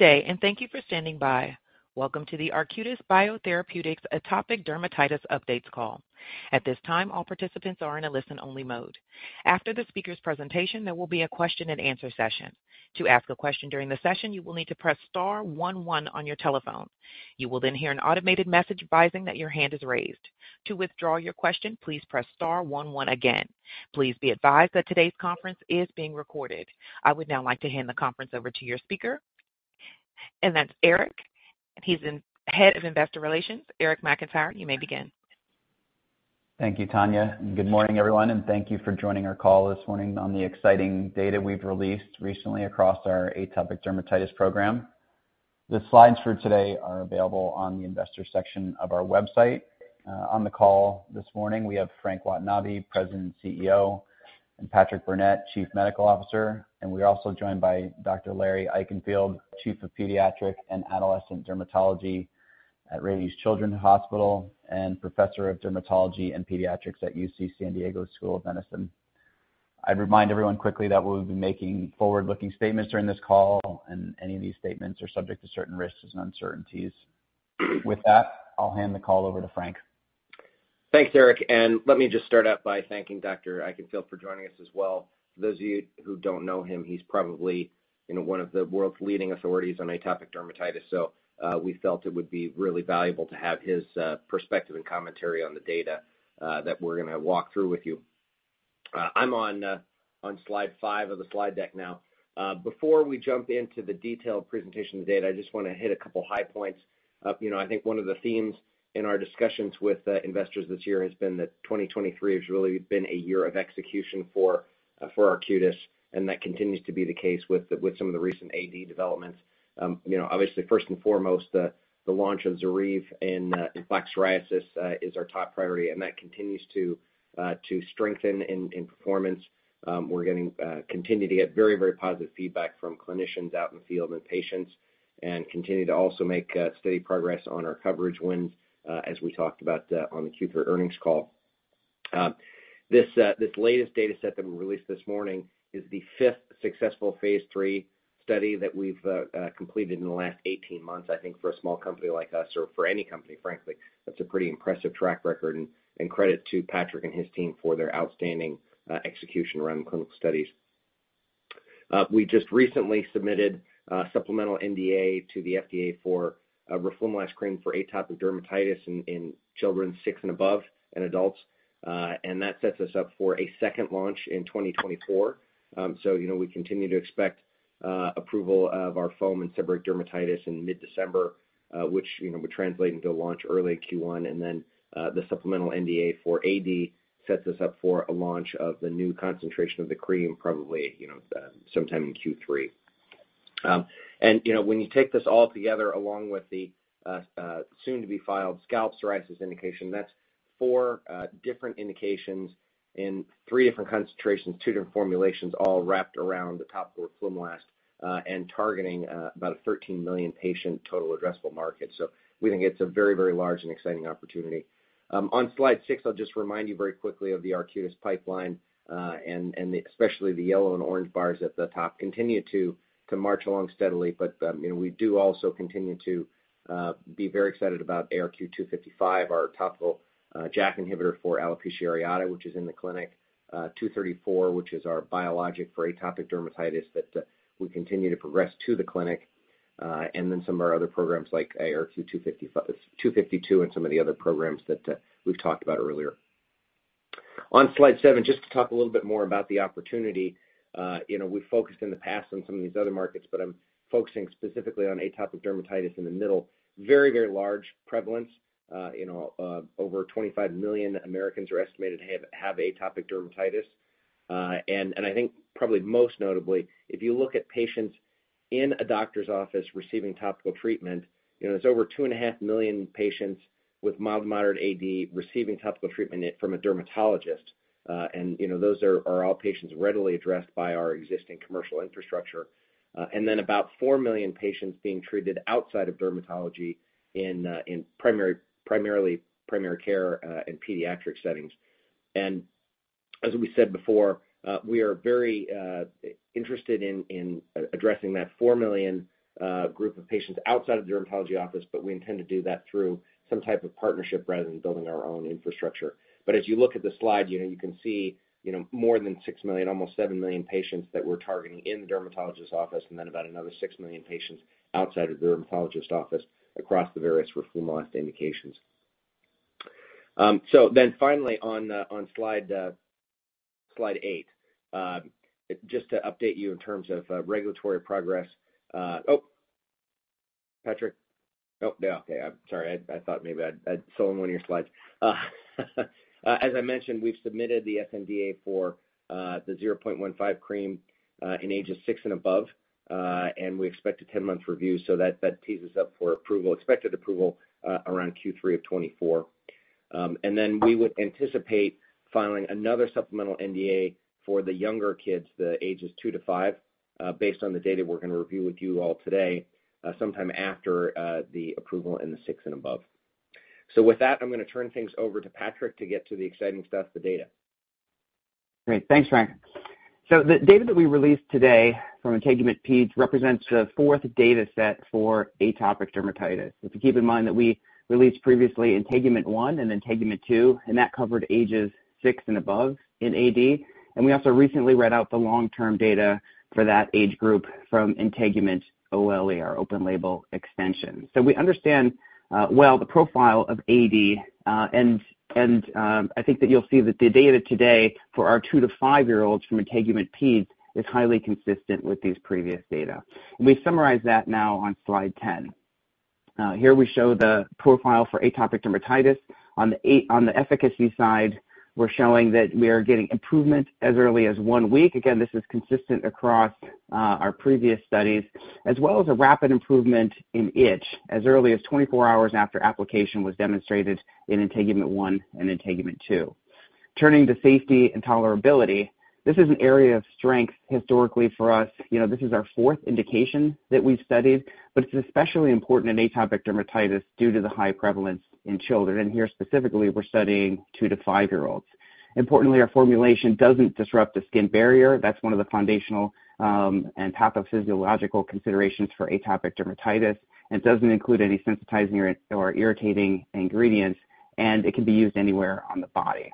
Day, and thank you for standing by. Welcome to the Arcutis Biotherapeutics Atopic Dermatitis updates call. At this time, all participants are in a listen-only mode. After the speaker's presentation, there will be a question-and-answer session. To ask a question during the session, you will need to press star one one on your telephone. You will then hear an automated message advising that your hand is raised. To withdraw your question, please press star one one again. Please be advised that today's conference is being recorded. I would now like to hand the conference over to your speaker, and that's Eric, Head of Investor Relations. Eric McIntyre, you may begin. Thank you, Tanya, and good morning, everyone, and thank you for joining our call this morning on the exciting data we've released recently across our atopic dermatitis program. The slides for today are available on the investor section of our website. On the call this morning, we have Frank Watanabe, President and CEO, and Patrick Burnett, Chief Medical Officer, and we're also joined by Dr. Larry Eichenfield, Chief of Pediatric and Adolescent Dermatology at Rady Children's Hospital, and Professor of Dermatology and Pediatrics at UC San Diego School of Medicine. I'd remind everyone quickly that we will be making forward-looking statements during this call, and any of these statements are subject to certain risks and uncertainties. With that, I'll hand the call over to Frank. Thanks, Eric, and let me just start out by thanking Dr. Eichenfield for joining us as well. For those of you who don't know him, he's probably, you know, one of the world's leading authorities on atopic dermatitis, so, we felt it would be really valuable to have his, perspective and commentary on the data, that we're going to walk through with you. I'm on, on slide 5 of the slide deck now. Before we jump into the detailed presentation of the data, I just want to hit a couple of high points. You know, I think one of the themes in our discussions with, investors this year has been that 2023 has really been a year of execution for, for Arcutis, and that continues to be the case with, with some of the recent AD developments. You know, obviously, first and foremost, the launch of ZORYVE in plaque psoriasis is our top priority, and that continues to strengthen in performance. We're continuing to get very, very positive feedback from clinicians out in the field and patients, and continue to also make steady progress on our coverage wins, as we talked about, on the Q3 earnings call. This latest data set that we released this morning is the fifth successful phase III study that we've completed in the last 18 months. I think for a small company like us, or for any company, frankly, that's a pretty impressive track record and credit to Patrick and his team for their outstanding execution around the clinical studies. We just recently submitted a supplemental NDA to the FDA for roflumilast cream for atopic dermatitis in children 6 and above, and adults, and that sets us up for a second launch in 2024. So you know, we continue to expect approval of our foam and seborrheic dermatitis in mid-December, which you know, would translate into a launch early Q1, and then the supplemental NDA for AD sets us up for a launch of the new concentration of the cream, probably you know, sometime in Q3. And you know, when you take this all together, along with the soon-to-be-filed scalp psoriasis indication, that's 4 different indications in 3 different concentrations, 2 different formulations, all wrapped around the topical roflumilast, and targeting about a 13 million patient total addressable market. We think it's a very, very large and exciting opportunity. On slide six, I'll just remind you very quickly of the Arcutis pipeline, and especially the yellow and orange bars at the top continue to march along steadily. You know, we do also continue to be very excited about ARQ-255, our topical JAK inhibitor for alopecia areata, which is in the clinic. ARQ-234, which is our biologic for atopic dermatitis, that we continue to progress to the clinic, and then some of our other programs like ARQ-252 and some of the other programs that we've talked about earlier. On slide seven, just to talk a little bit more about the opportunity, you know, we've focused in the past on some of these other markets, but I'm focusing specifically on atopic dermatitis in the middle. Very, very large prevalence. You know, over 25 million Americans are estimated to have atopic dermatitis. And I think probably most notably, if you look at patients in a doctor's office receiving topical treatment, you know, there's over 2.5 million patients with mild to moderate AD receiving topical treatment from a dermatologist. And you know, those are all patients readily addressed by our existing commercial infrastructure. And then about 4 million patients being treated outside of dermatology in primarily primary care and pediatric settings. As we said before, we are very interested in addressing that 4 million group of patients outside of the dermatology office, but we intend to do that through some type of partnership rather than building our own infrastructure. As you look at the slide, you can see, you know, more than 6 million, almost 7 million patients that we're targeting in the dermatologist's office, and then about another 6 million patients outside of the dermatologist's office across the various roflumilast indications. Finally, on slide eight, just to update you in terms of regulatory progress. Oh, Patrick? Oh, yeah, okay. I'm sorry. I thought maybe I'd stolen one of your slides. As I mentioned, we've submitted the sNDA for the 0.15% cream in ages 6 and above, and we expect a 10-month review, so that tees us up for expected approval around Q3 of 2024. We would anticipate filing another supplemental NDA for the younger kids, the ages 2 to 5, based on the data we're going to review with you all today, sometime after the approval in the 6 and above. With that, I'm going to turn things over to Patrick to get to the exciting stuff, the data. Great. Thanks, Frank. The data that we released today from INTEGUMENT-PED represents the fourth data set for atopic dermatitis. If you keep in mind that we released previously INTEGUMENT-1 and INTEGUMENT-2, and that covered ages 6 and above in AD, we also recently read out the long-term data for that age group from INTEGUMENT-OLE, our open-label extension. We understand, well, the profile of AD, and I think that you'll see that the data today for our 2- to 5-year-olds from INTEGUMENT-PED is highly consistent with these previous data. We summarize that now on slide 10. Here we show the profile for atopic dermatitis. On the efficacy side, we're showing that we are getting improvement as early as 1 week. Again, this is consistent across our previous studies, as well as a rapid improvement in itch as early as 24 hours after application was demonstrated in INTEGUMENT-1 and INTEGUMENT-2. Turning to safety and tolerability, this is an area of strength historically for us. You know, this is our fourth indication that we've studied, but it's especially important in atopic dermatitis due to the high prevalence in children, and here specifically, we're studying 2- to 5-year-olds. Importantly, our formulation doesn't disrupt the skin barrier. That's one of the foundational and pathophysiological considerations for atopic dermatitis, and it doesn't include any sensitizing or irritating ingredients, and it can be used anywhere on the body.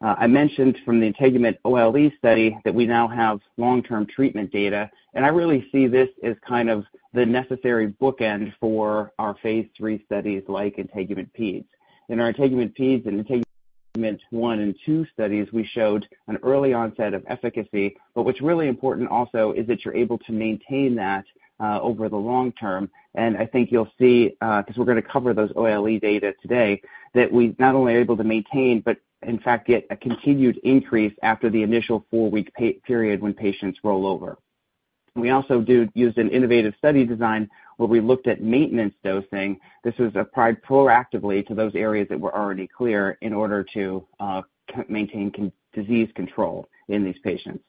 I mentioned from the INTEGUMENT-OLE study that we now have long-term treatment data, and I really see this as kind of the necessary bookend for our phase III studies like INTEGUMENT-PED. In our INTEGUMENT-PED and INTEGUMENT-1 and -2 studies, we showed an early onset of efficacy, but what's really important also is that you're able to maintain that over the long term. I think you'll see, because we're gonna cover those OLE data today, that we not only are able to maintain, but in fact get a continued increase after the initial four-week period when patients roll over. We also used an innovative study design, where we looked at maintenance dosing. This was applied proactively to those areas that were already clear in order to maintain disease control in these patients.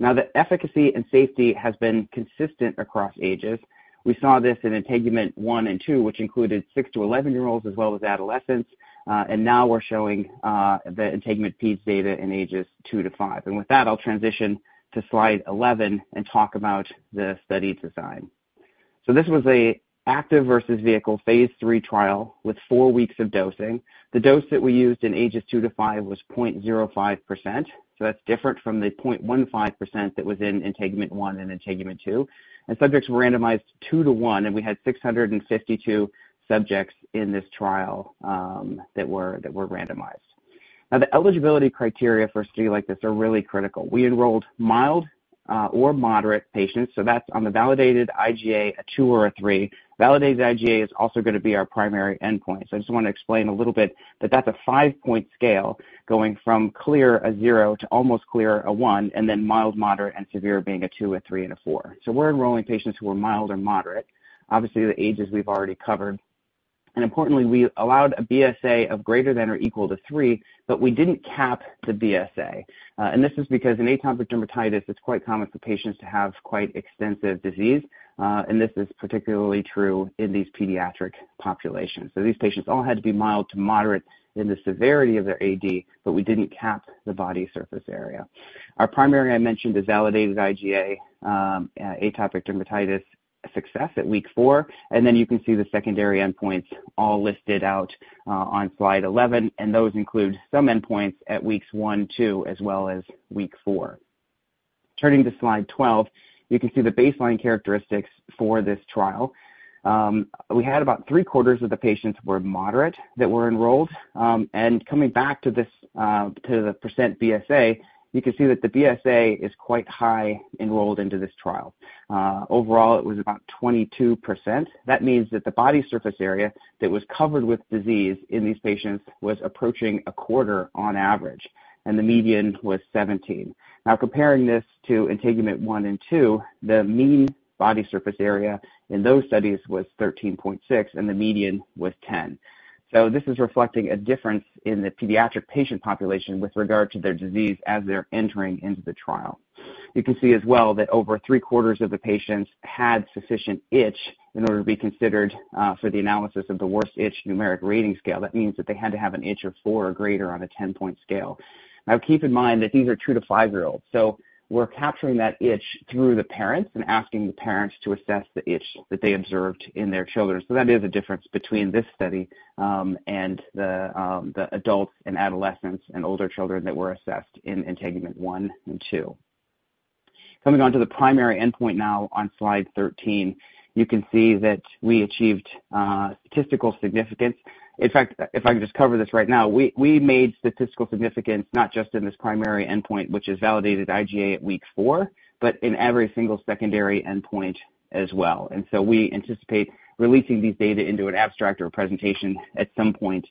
Now, the efficacy and safety has been consistent across ages. We saw this in INTEGUMENT-1 and INTEGUMENT-2, which included 6- to 11-year-olds as well as adolescents, and now we're showing the INTEGUMENT-PED data in ages 2-5. With that, I'll transition to slide 11 and talk about the study design. This was an active versus vehicle phase III trial with 4 weeks of dosing. The dose that we used in ages 2-5 was 0.05%, so that's different from the 0.15% that was in INTEGUMENT-1 and INTEGUMENT-2. Subjects were randomized 2:1, and we had 652 subjects in this trial that were randomized. Now, the eligibility criteria for a study like this are really critical. We enrolled mild or moderate patients, so that's on the Validated IGA, a 2 or a 3. Validated IGA is also gonna be our primary endpoint, so I just wanna explain a little bit that that's a 5-point scale going from clear, a 0, to almost clear, a 1, and then mild, moderate, and severe being a 2, a 3, and a 4. So we're enrolling patients who are mild or moderate. Obviously, the ages we've already covered. Importantly, we allowed a BSA of greater than or equal to 3, but we didn't cap the BSA. And this is because in atopic dermatitis, it's quite common for patients to have quite extensive disease, and this is particularly true in these pediatric populations. So these patients all had to be mild to moderate in the severity of their AD, but we didn't cap the body surface area. Our primary, I mentioned, is validated IGA, atopic dermatitis success at week 4, and then you can see the secondary endpoints all listed out, on slide 11, and those include some endpoints at weeks 1, 2, as well as week 4. Turning to slide 12, you can see the baseline characteristics for this trial. We had about three-quarters of the patients were moderate that were enrolled. And coming back to this, to the percent BSA, you can see that the BSA is quite high enrolled into this trial. Overall, it was about 22%. That means that the body surface area that was covered with disease in these patients was approaching a quarter on average, and the median was 17. Now, comparing this to INTEGUMENT-1 and INTEGUMENT-2, the mean body surface area in those studies was 13.6, and the median was 10. So this is reflecting a difference in the pediatric patient population with regard to their disease as they're entering into the trial. You can see as well that over three-quarters of the patients had sufficient itch in order to be considered for the analysis of the worst itch numeric rating scale. That means that they had to have an itch of 4 or greater on a 10-point scale. Now, keep in mind that these are 2- to 5-year-olds, so we're capturing that itch through the parents and asking the parents to assess the itch that they observed in their children. That is a difference between this study and the adults and adolescents and older children that were assessed in INTEGUMENT-1 and INTEGUMENT-2. Coming on to the primary endpoint now on slide 13, you can see that we achieved statistical significance. In fact, if I can just cover this right now, we made statistical significance, not just in this primary endpoint, which is validated IGA at week 4, but in every single secondary endpoint as well. We anticipate releasing these data into an abstract or a presentation at some point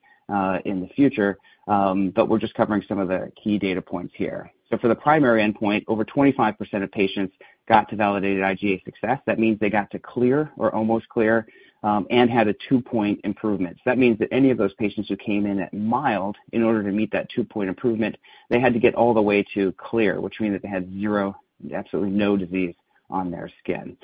in the future, but we're just covering some of the key data points here. For the primary endpoint, over 25% of patients got to validated IGA success. That means they got to clear or almost clear and had a two-point improvement. So that means that any of those patients who came in at mild, in order to meet that two-point improvement, they had to get all the way to clear, which means that they had zero, absolutely no disease on their skin.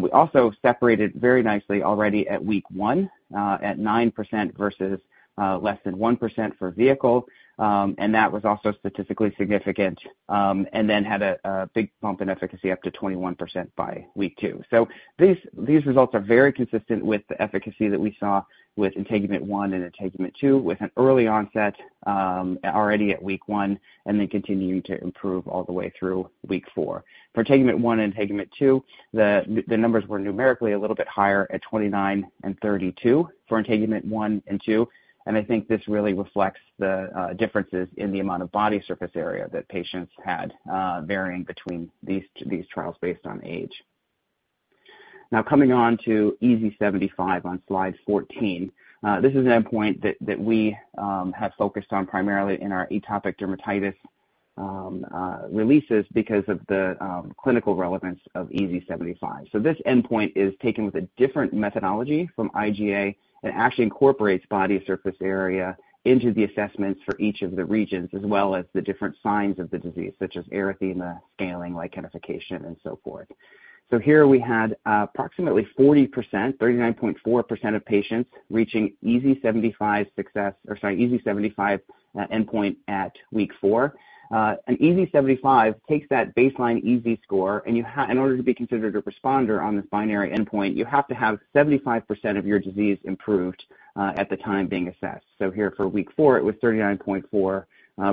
We also separated very nicely already at week 1, at 9% versus, less than 1% for vehicle, and that was also statistically significant, and then had a big bump in efficacy up to 21% by week 2. So these results are very consistent with the efficacy that we saw with INTEGUMENT-1 and INTEGUMENT-2, with an early onset, already at week 1, and then continuing to improve all the way through week 4. For INTEGUMENT-1 and INTEGUMENT-2, the numbers were numerically a little bit higher at 29 and 32 for INTEGUMENT-1 and 2, and I think this really reflects the differences in the amount of body surface area that patients had, varying between these trials based on age. Now coming on to EASI-75 on Slide 14. This is an endpoint that we have focused on primarily in our atopic dermatitis releases because of the clinical relevance of EASI-75. So this endpoint is taken with a different methodology from IGA and actually incorporates body surface area into the assessments for each of the regions, as well as the different signs of the disease, such as erythema, scaling, lichenification, and so forth. Here we had approximately 40%, 39.4% of patients reaching EASI-75 success—or sorry, EASI-75 endpoint at week 4. EASI-75 takes that baseline EASI score, and in order to be considered a responder on this binary endpoint, you have to have 75% of your disease improved at the time being assessed. Here for week 4, it was 39.4%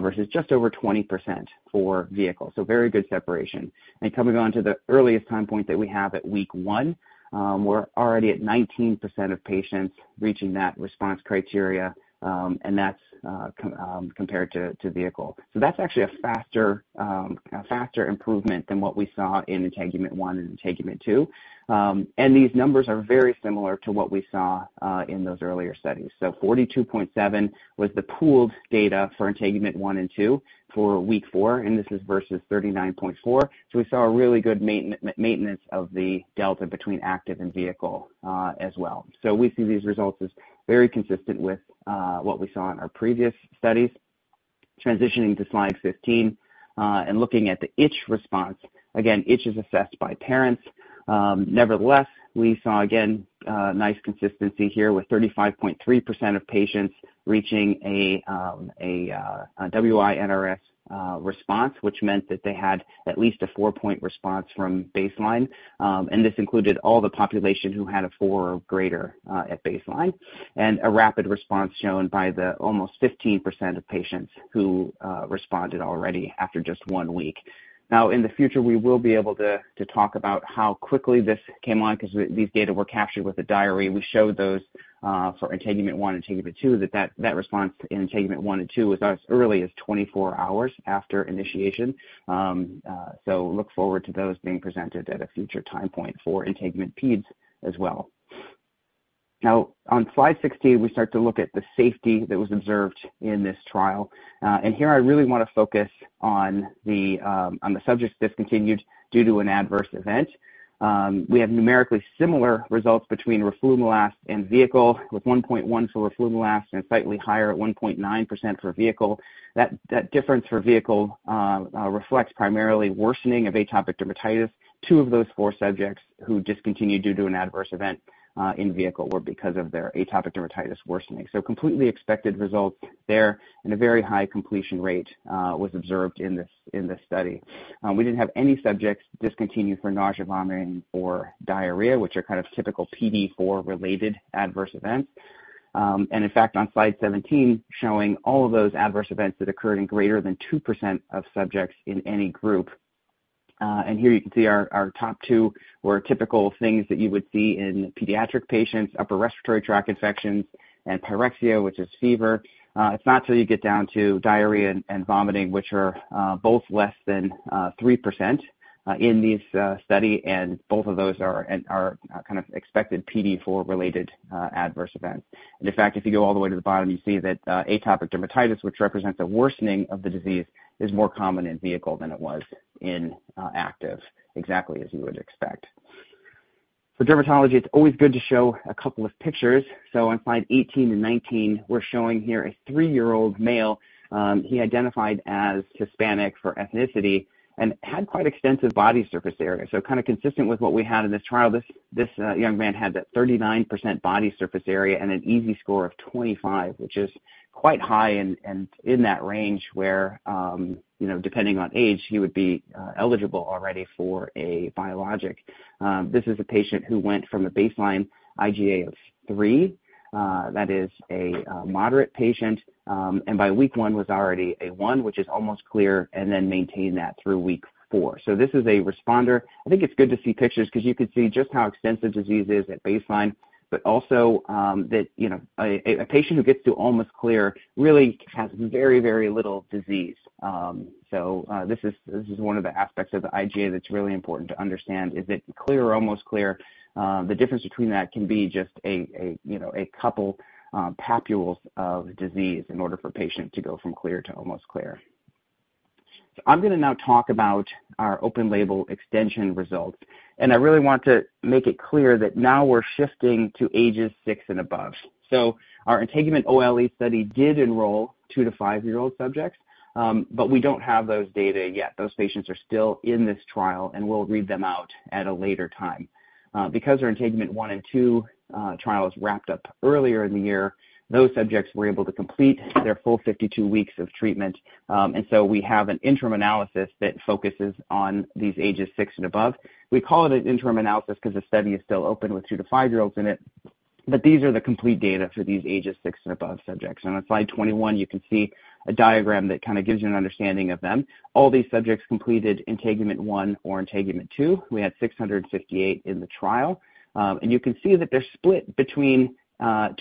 versus just over 20% for vehicle. Very good separation. Coming on to the earliest time point that we have at week 1, we're already at 19% of patients reaching that response criteria, and that's compared to vehicle. That's actually a faster, a faster improvement than what we saw in INTEGUMENT-1 and INTEGUMENT-2. These numbers are very similar to what we saw in those earlier studies. So 42.7 was the pooled data for INTEGUMENT-1 and INTEGUMENT-2 for week 4, and this is versus 39.4. So we saw a really good maintenance, maintenance of the delta between active and vehicle, as well. So we see these results as very consistent with what we saw in our previous studies. Transitioning to Slide 15 and looking at the itch response. Again, itch is assessed by parents. Nevertheless, we saw again nice consistency here with 35.3% of patients reaching a WI-NRS response, which meant that they had at least a 4-point response from baseline. And this included all the population who had a four or greater at baseline, and a rapid response shown by the almost 15% of patients who responded already after just one week. Now, in the future, we will be able to talk about how quickly this came on because these data were captured with a diary. We showed those for INTEGUMENT-1 and INTEGUMENT-2, that response in INTEGUMENT-1 and INTEGUMENT-2 was as early as 24 hours after initiation. So look forward to those being presented at a future time point for INTEGUMENT-PED as well. Now, on Slide 16, we start to look at the safety that was observed in this trial. And here I really want to focus on the subjects discontinued due to an adverse event. We have numerically similar results between roflumilast and vehicle, with 1.1 for roflumilast and slightly higher at 1.9% for vehicle. That difference for vehicle reflects primarily worsening of atopic dermatitis. Two of those four subjects who discontinued due to an adverse event in vehicle were because of their atopic dermatitis worsening. So completely expected results there, and a very high completion rate was observed in this study. We didn't have any subjects discontinued for nausea, vomiting, or diarrhea, which are kind of typical PDE4-related adverse events. And in fact, on Slide 17, showing all of those adverse events that occurred in greater than 2% of subjects in any group. Here you can see our top two were typical things that you would see in pediatric patients, upper respiratory tract infections and pyrexia, which is fever. It's not till you get down to diarrhea and vomiting, which are both less than 3%, in this study, and both of those are kind of expected PDE4-related adverse events. And in fact, if you go all the way to the bottom, you see that atopic dermatitis, which represents a worsening of the disease, is more common in vehicle than it was in active, exactly as you would expect. For dermatology, it's always good to show a couple of pictures. So on Slide 18 and 19, we're showing here a three-year-old male. He identified as Hispanic for ethnicity and had quite extensive body surface area. So kind of consistent with what we had in this trial, this young man had that 39% body surface area and an EASI score of 25, which is quite high and in that range where, you know, depending on age, he would be eligible already for a biologic. This is a patient who went from a baseline IGA of 3, that is a moderate patient, and by week one, was already a 1, which is almost clear, and then maintained that through week four. So this is a responder. I think it's good to see pictures because you can see just how extensive disease is at baseline, but also, that, you know, a patient who gets to almost clear really has very, very little disease. So, this is one of the aspects of the IGA that's really important to understand, is that clear or almost clear, the difference between that can be just a, you know, a couple papules of disease in order for a patient to go from clear to almost clear. So I'm going to now talk about our open label extension results, and I really want to make it clear that now we're shifting to ages 6 and above. So our INTEGUMENT-OLE study did enroll 2- to 5-year-old subjects, but we don't have those data yet. Those patients are still in this trial, and we'll read them out at a later time. Because our INTEGUMENT-1 and INTEGUMENT-2 trials wrapped up earlier in the year, those subjects were able to complete their full 52 weeks of treatment. And so we have an interim analysis that focuses on these ages 6 and above. We call it an interim analysis because the study is still open with 2- to 5-year-olds in it... But these are the complete data for these ages 6 and above subjects. On slide 21, you can see a diagram that kind of gives you an understanding of them. All these subjects completed INTEGUMENT-1 or INTEGUMENT-2. We had 658 in the trial. And you can see that they're split between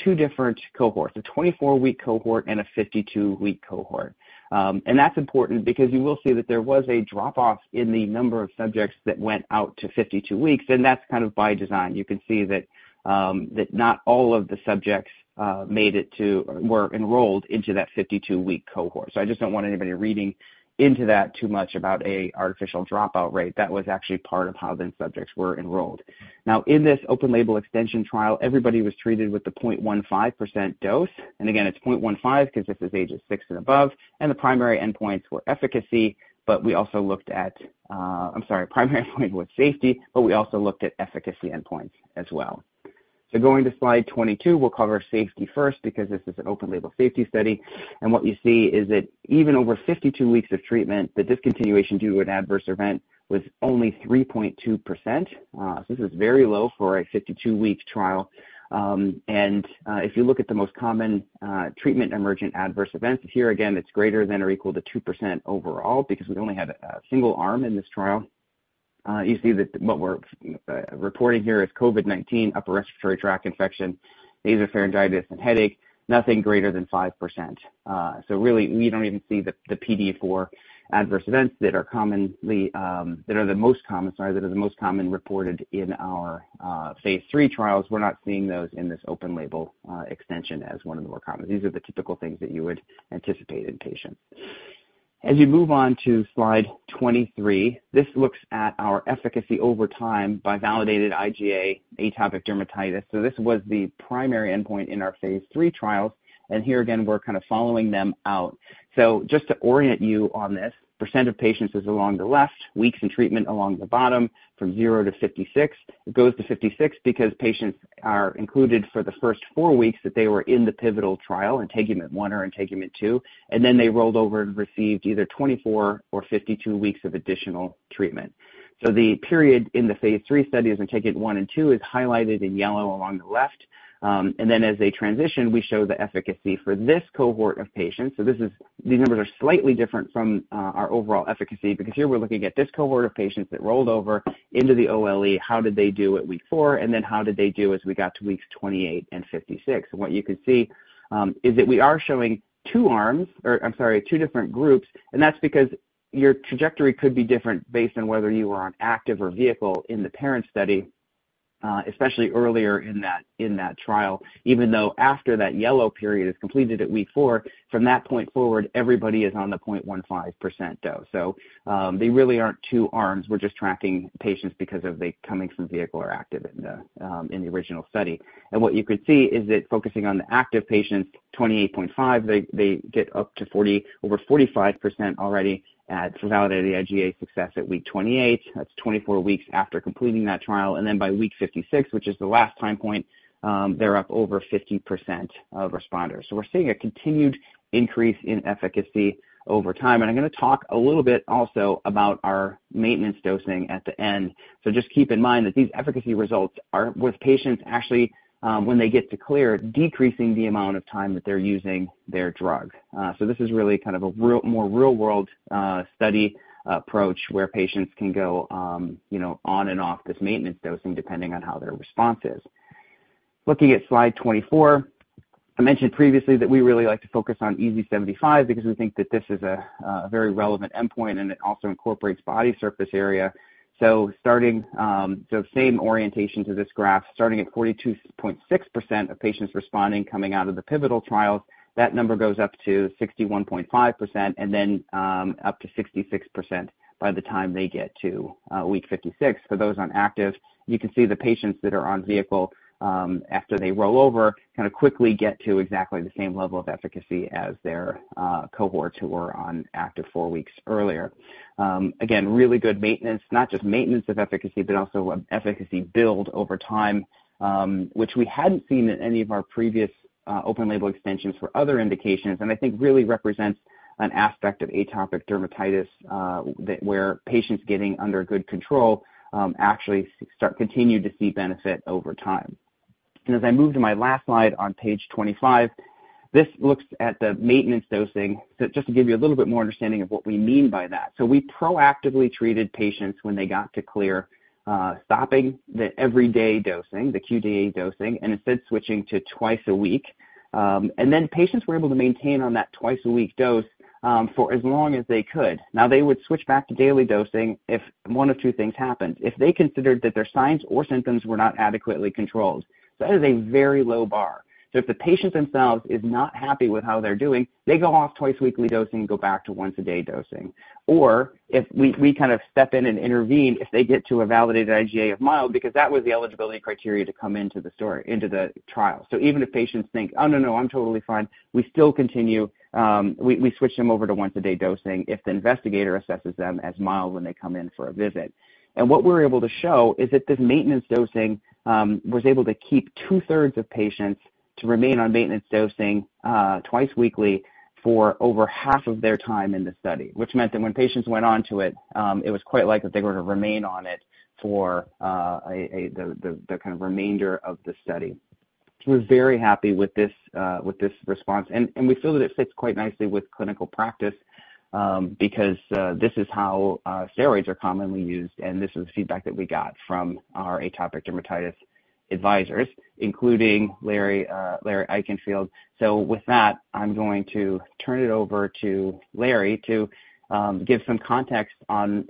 two different cohorts, a 24-week cohort and a 52-week cohort. And that's important because you will see that there was a drop-off in the number of subjects that went out to 52 weeks, and that's kind of by design. You can see that, that not all of the subjects were enrolled into that 52-week cohort. So I just don't want anybody reading into that too much about an artificial dropout rate. That was actually part of how the subjects were enrolled. Now, in this open label extension trial, everybody was treated with the 0.15% dose, and again, it's 0.15 because this is ages 6 and above, and the primary endpoints were efficacy, but we also looked at—I'm sorry, primary endpoint was safety, but we also looked at efficacy endpoints as well. So going to slide 22, we'll cover safety first because this is an open label safety study. And what you see is that even over 52 weeks of treatment, the discontinuation due to an adverse event was only 3.2%. So this is very low for a 52-week trial. If you look at the most common treatment-emergent adverse events, here again, it's greater than or equal to 2% overall because we only had a single arm in this trial. You see that what we're reporting here is COVID-19, upper respiratory tract infection, nasopharyngitis, and headache, nothing greater than 5%. So really, we don't even see the PDE4 adverse events that are commonly, that are the most common reported in our phase III trials. We're not seeing those in this open-label extension as one of the more common. These are the typical things that you would anticipate in patients. As you move on to slide 23, this looks at our efficacy over time by validated IGA atopic dermatitis. This was the primary endpoint in our phase III trials, and here again, we're kind of following them out. Just to orient you on this, percent of patients is along the left, weeks in treatment along the bottom, from 0 to 56. It goes to 56 because patients are included for the first 4 weeks that they were in the pivotal trial, INTEGUMENT-1 or INTEGUMENT-2, and then they rolled over and received either 24 or 52 weeks of additional treatment. The period in the phase III study, as INTEGUMENT-1 and INTEGUMENT-2, is highlighted in yellow along the left. And then as they transition, we show the efficacy for this cohort of patients. This is—these numbers are slightly different from our overall efficacy because here we're looking at this cohort of patients that rolled over into the OLE. How did they do at week 4? Then how did they do as we got to weeks 28 and 56? What you can see is that we are showing two arms, or I'm sorry, two different groups, and that's because your trajectory could be different based on whether you were on active or vehicle in the parent study, especially earlier in that trial. Even though after that yellow period is completed at week 4, from that point forward, everybody is on the 0.15% dose. So, they really aren't two arms. We're just tracking patients because of the coming from vehicle or active in the original study. What you can see is that focusing on the active patients, 28.5, they get up to over 45% already at validated IGA success at week 28. That's 24 weeks after completing that trial. And then by week 56, which is the last time point, they're up over 50% of responders. So we're seeing a continued increase in efficacy over time. And I'm gonna talk a little bit also about our maintenance dosing at the end. So just keep in mind that these efficacy results are with patients actually, when they get to clear, decreasing the amount of time that they're using their drug. So this is really kind of a real, more real-world, study approach where patients can go, you know, on and off this maintenance dosing depending on how their response is. Looking at slide 24, I mentioned previously that we really like to focus on EASI-75 because we think that this is a, a very relevant endpoint and it also incorporates body surface area. Starting, I mean, same orientation to this graph, starting at 42.6% of patients responding coming out of the pivotal trials, that number goes up to 61.5% and then, up to 66% by the time they get to, week 56 for those on active. You can see the patients that are on vehicle, after they roll over, kind of quickly get to exactly the same level of efficacy as their, cohorts who were on active four weeks earlier. Again, really good maintenance, not just maintenance of efficacy, but also efficacy build over time, which we hadn't seen in any of our previous open label extensions for other indications. And I think really represents an aspect of atopic dermatitis that where patients getting under good control actually continue to see benefit over time. And as I move to my last slide on page 25, this looks at the maintenance dosing. So just to give you a little bit more understanding of what we mean by that. So we proactively treated patients when they got to clear, stopping the everyday dosing, the QD dosing, and instead switching to twice a week. And then patients were able to maintain on that twice-a-week dose for as long as they could. They would switch back to daily dosing if one of two things happened: if they considered that their signs or symptoms were not adequately controlled. That is a very low bar. If the patient themselves is not happy with how they're doing, they go off twice-weekly dosing and go back to once-a-day dosing. If we step in and intervene, if they get to a validated IGA of mild, because that was the eligibility criteria to come into the trial. Even if patients think, "Oh, no, no, I'm totally fine," we still continue, we switch them over to once-a-day dosing if the investigator assesses them as mild when they come in for a visit. What we're able to show is that this maintenance dosing was able to keep two-thirds of patients... to remain on maintenance dosing, twice weekly for over half of their time in the study, which meant that when patients went on to it, it was quite likely that they were going to remain on it for the kind of remainder of the study. So we're very happy with this, with this response. And we feel that it fits quite nicely with clinical practice, because this is how steroids are commonly used, and this is the feedback that we got from our atopic dermatitis advisors, including Larry Eichenfield. So with that, I'm going to turn it over to Larry to give some context on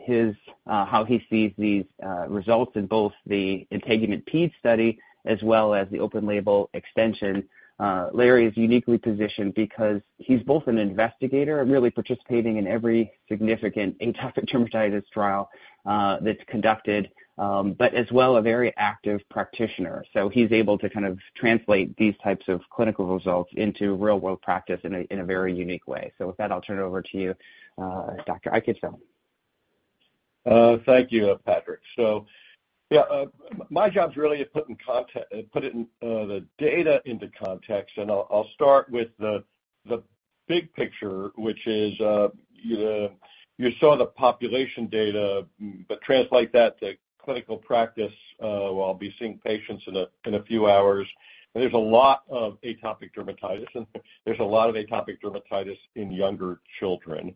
how he sees these results in both the INTEGUMENT-PED study as well as the open label extension. Larry is uniquely positioned because he's both an investigator and really participating in every significant atopic dermatitis trial, that's conducted, but as well, a very active practitioner. So he's able to kind of translate these types of clinical results into real-world practice in a very unique way. So with that, I'll turn it over to you, Dr. Eichenfield. Thank you, Patrick. Yeah, my job's really to put it in context, put the data into context, and I'll start with the big picture, which is, you saw the population data, but translate that to clinical practice. Well, I'll be seeing patients in a few hours, and there's a lot of atopic dermatitis, and there's a lot of atopic dermatitis in younger children.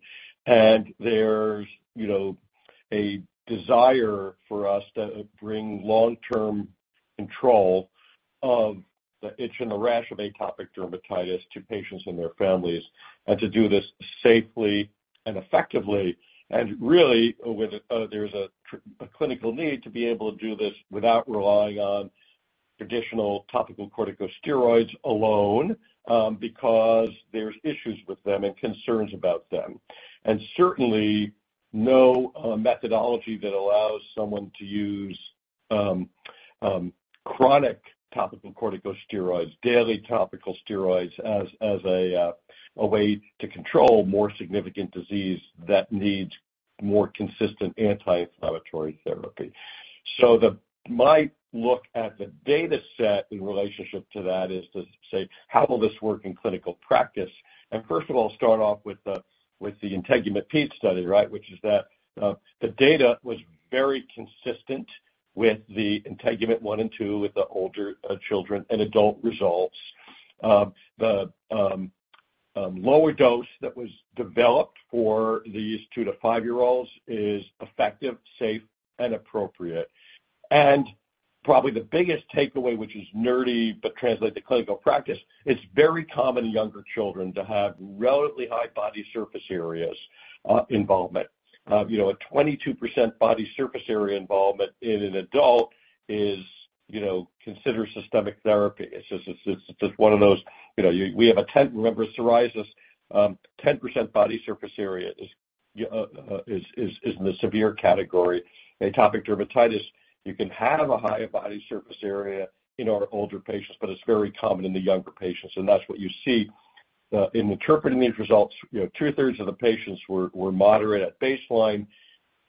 There's, you know, a desire for us to bring long-term control of the itch and the rash of atopic dermatitis to patients and their families, and to do this safely and effectively. Really, there's a clinical need to be able to do this without relying on traditional topical corticosteroids alone, because there's issues with them and concerns about them. And certainly, no methodology that allows someone to use, chronic topical corticosteroids, daily topical steroids as a way to control more significant disease that needs more consistent anti-inflammatory therapy. So my look at the dataset in relationship to that is to say: How will this work in clinical practice? And first of all, start off with the INTEGUMENT-PED study, right, which is that, the data was very consistent with the INTEGUMENT-1 and INTEGUMENT-2, with the older children and adult results. The lower dose that was developed for these 2- to 5-year-olds is effective, safe, and appropriate. And probably the biggest takeaway, which is nerdy, but translate to clinical practice, it's very common in younger children to have relatively high body surface areas involvement. You know, a 22% body surface area involvement in an adult is, you know, considered systemic therapy. It's just one of those, you know, you remember, psoriasis, 10% body surface area is in the severe category. Atopic dermatitis, you can have a higher body surface area in our older patients, but it's very common in the younger patients, and that's what you see. In interpreting these results, you know, 2/3 of the patients were moderate at baseline.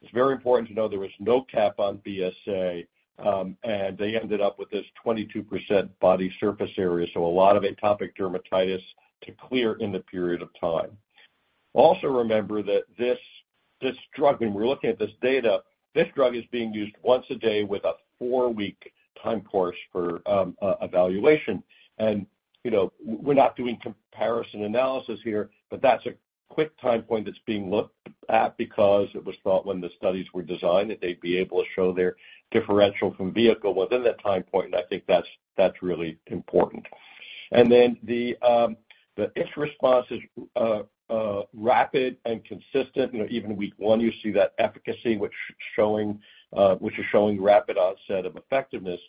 It's very important to know there was no cap on BSA, and they ended up with this 22% body surface area, so a lot of atopic dermatitis to clear in the period of time. Also remember that this, this drug, when we're looking at this data, this drug is being used once a day with a 4-week time course for evaluation. And, you know, we're not doing comparison analysis here, but that's a quick time point that's being looked at because it was thought when the studies were designed, that they'd be able to show their differential from vehicle within that time point, and I think that's, that's really important. And then the itch response is rapid and consistent. You know, even week 1, you see that efficacy, which is showing rapid onset of effectiveness.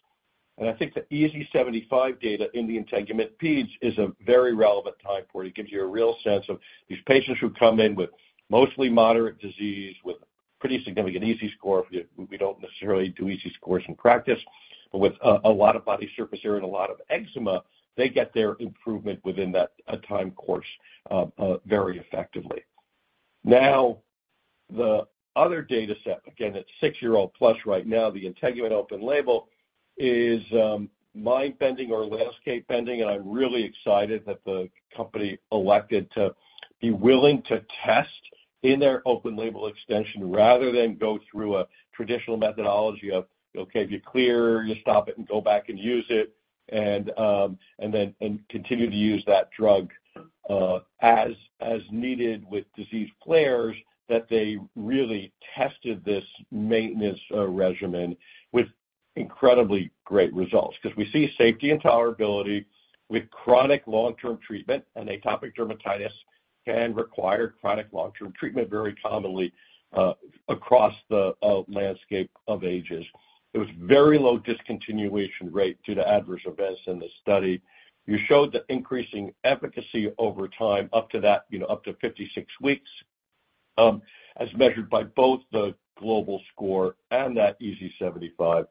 And I think the EASI-75 data in the INTEGUMENT-PED is a very relevant time point. It gives you a real sense of these patients who come in with mostly moderate disease, with pretty significant EASI score. We don't necessarily do EASI scores in practice, but with a lot of body surface area and a lot of eczema, they get their improvement within that time course very effectively. Now, the other dataset, again, that six-year-old plus right now, the INTEGUMENT open label, is mind-bending or landscape-bending, and I'm really excited that the company elected to be willing to test in their open label extension rather than go through a traditional methodology of, okay, if you're clear, you stop it and go back and use it, and continue to use that drug as needed with disease flares, that they really tested this maintenance regimen with incredibly great results. Because we see safety and tolerability with chronic long-term treatment, and atopic dermatitis can require chronic long-term treatment very commonly across the landscape of ages. It was very low discontinuation rate due to adverse events in the study. You showed the increasing efficacy over time, up to that, you know, up to 56 weeks, as measured by both the global score and that EASI-75.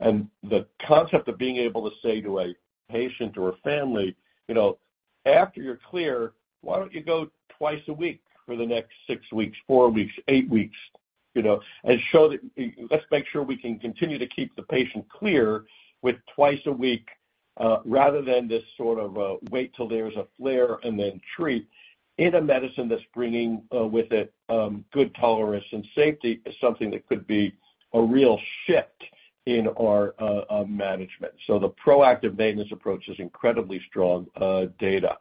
The concept of being able to say to a patient or a family, "You know, after you're clear, why don't you go twice a week for the next 6 weeks, 4 weeks, 8 weeks?"... you know, and show that, let's make sure we can continue to keep the patient clear with twice a week, rather than this sort of, wait till there's a flare and then treat in a medicine that's bringing, with it, good tolerance and safety, is something that could be a real shift in our, management. So the proactive maintenance approach is incredibly strong, data.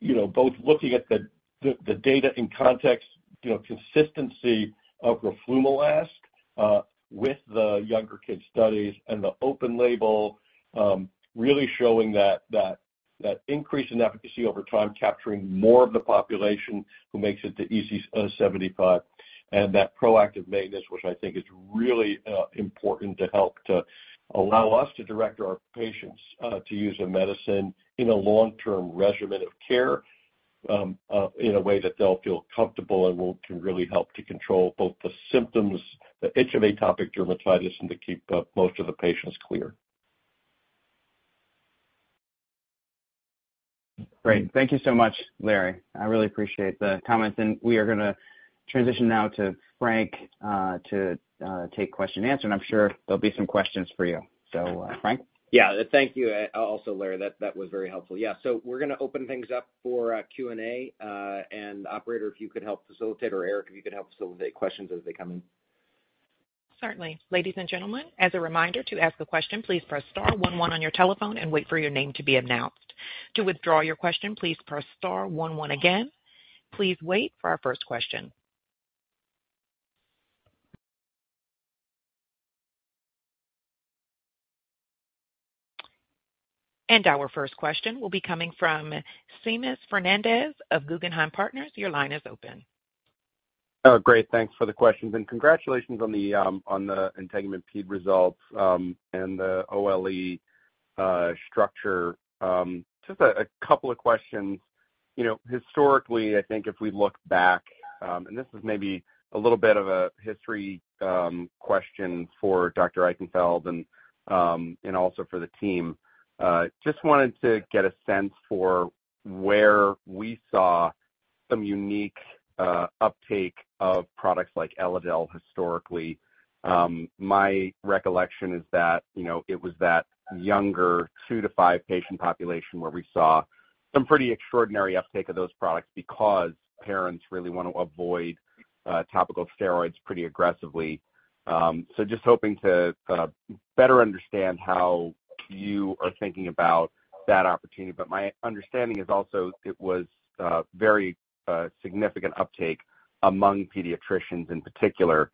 You know, both looking at the data in context, you know, consistency of roflumilast with the younger kids studies and the open label, really showing that increase in efficacy over time, capturing more of the population who makes it to EASI 75. That proactive maintenance, which I think is really important to help to allow us to direct our patients to use a medicine in a long-term regimen of care, in a way that they'll feel comfortable and can really help to control both the symptoms, the itch of atopic dermatitis, and to keep most of the patients clear. Great. Thank you so much, Larry. I really appreciate the comments, and we are gonna transition now to Frank, to take question and answer, and I'm sure there'll be some questions for you. So, Frank? Yeah. Thank you, also, Larry. That, that was very helpful. Yeah, so we're gonna open things up for Q&A, and operator, if you could help facilitate, or Eric, if you could help facilitate questions as they come in. Certainly. Ladies and gentlemen, as a reminder to ask a question, please press star one one on your telephone and wait for your name to be announced. To withdraw your question, please press star one one again. Please wait for our first question. Our first question will be coming from Seamus Fernandez of Guggenheim Partners. Your line is open. Great. Thanks for the questions, and congratulations on the Integument-PED results and the OLE structure. Just a couple of questions. You know, historically, I think if we look back, and this is maybe a little bit of a history question for Dr. Eichenfield and also for the team. I just wanted to get a sense for where we saw some unique uptake of products like Elidel historically. My recollection is that it was that younger two to five patient population where we saw some pretty extraordinary uptake of those products because parents really want to avoid topical steroids pretty aggressively. Just hoping to better understand how you are thinking about that opportunity. But my understanding is also it was very significant uptake among pediatricians in particular,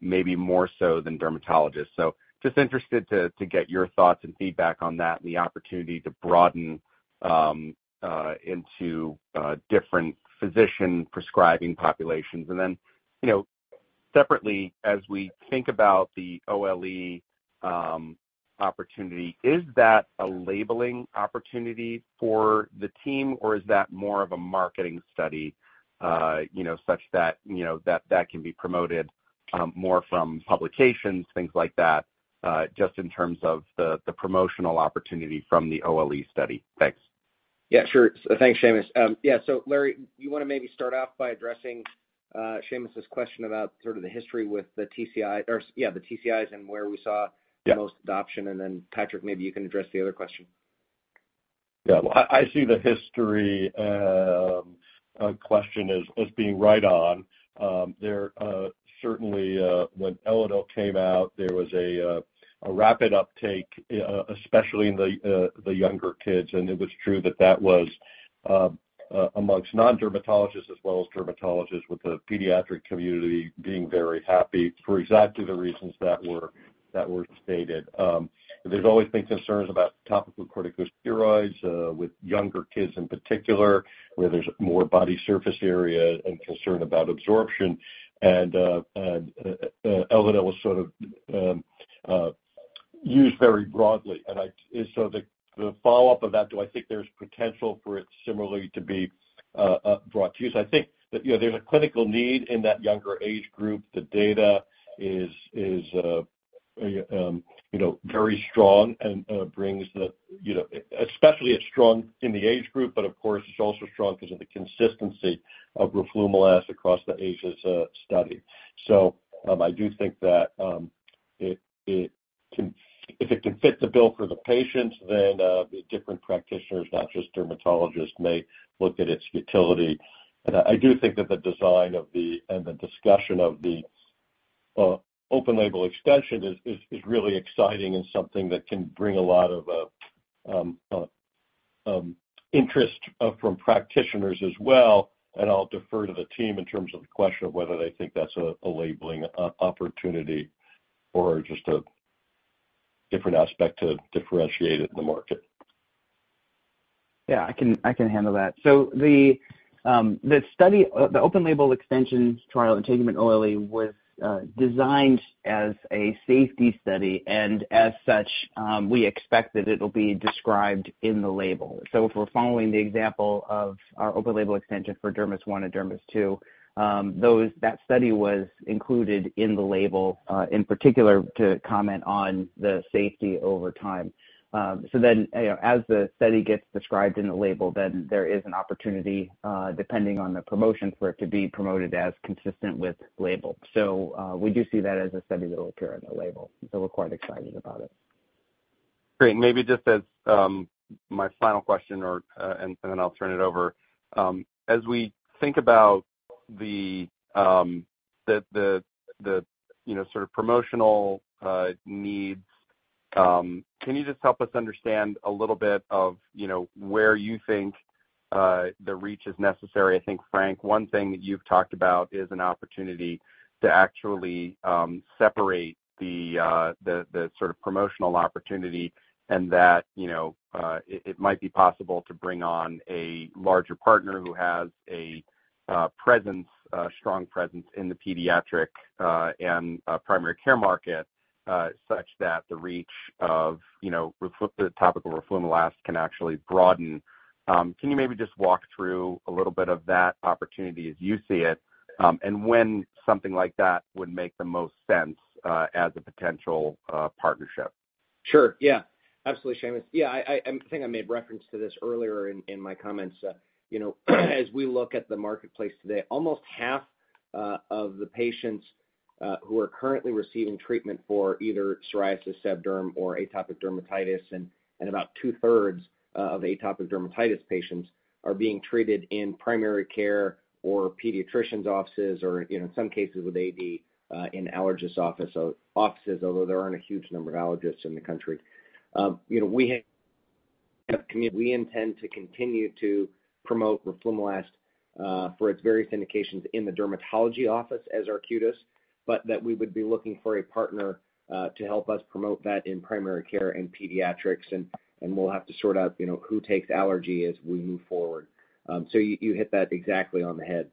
maybe more so than dermatologists. So just interested to get your thoughts and feedback on that and the opportunity to broaden into different physician prescribing populations. And then, you know, separately, as we think about the OLE opportunity, is that a labeling opportunity for the team, or is that more of a marketing study? You know, such that you know, that can be promoted more from publications, things like that, just in terms of the promotional opportunity from the OLE study. Thanks. Yeah, sure. Thanks, Seamus. Yeah, so Larry, you wanna maybe start off by addressing Seamus's question about sort of the history with the TCI or, yeah, the TCIs and where we saw- Yeah the most adoption, and then, Patrick, maybe you can address the other question. Yeah. Well, I see the history question as being right on. There certainly when Elidel came out, there was a rapid uptake, especially in the younger kids, and it was true that that was amongst non-dermatologists as well as dermatologists, with the pediatric community being very happy for exactly the reasons that were stated. There's always been concerns about topical corticosteroids with younger kids in particular, where there's more body surface area and concern about absorption, and Elidel was sort of used very broadly. So the follow-up of that, do I think there's potential for it similarly to be brought to use? I think that, you know, there's a clinical need in that younger age group. The data is, you know, very strong and brings the, you know, especially it's strong in the age group, but of course, it's also strong because of the consistency of roflumilast across the ages, study. So, I do think that it can-- if it can fit the bill for the patients, then the different practitioners, not just dermatologists, may look at its utility. And I do think that the design of the, and the discussion of the open label extension is really exciting and something that can bring a lot of interest from practitioners as well, and I'll defer to the team in terms of the question of whether they think that's a labeling opportunity or just a different aspect to differentiate it in the market. Yeah, I can, I can handle that. So the study, the open label extension trial, INTEGUMENT-OLE, was designed as a safety study, and as such, we expect that it'll be described in the label. So if we're following the example of our open label extension for DERMIS-1 and DERMIS-2, that study was included in the label, in particular to comment on the safety over time. So then, you know, as the study gets described in the label, then there is an opportunity, depending on the promotion, for it to be promoted as consistent with label. So, we do see that as a study that will appear in the label, so we're quite excited about it. Great. Maybe just as my final question or, and then I'll turn it over. As we think about the, you know, sort of promotional needs, can you just help us understand a little bit of, you know, where you think the reach is necessary? I think, Frank, one thing that you've talked about is an opportunity to actually separate the sort of promotional opportunity and that, you know, it might be possible to bring on a larger partner who has a presence, a strong presence in the pediatric and primary care market, such that the reach of, you know, the topical roflumilast can actually broaden. Can you maybe just walk through a little bit of that opportunity as you see it, and when something like that would make the most sense, as a potential partnership? Sure. Yeah, absolutely, Seamus. Yeah, I think I made reference to this earlier in my comments. You know, as we look at the marketplace today, almost half of the patients who are currently receiving treatment for either psoriasis, seb derm, or atopic dermatitis, and about two-thirds of atopic dermatitis patients are being treated in primary care or pediatrician's offices, or, you know, in some cases with AD, in allergist offices, although there aren't a huge number of allergists in the country. You know, we intend to continue to promote roflumilast for its various indications in the dermatology office as Arcutis, but that we would be looking for a partner to help us promote that in primary care and pediatrics, and we'll have to sort out, you know, who takes allergy as we move forward. So you hit that exactly on the head.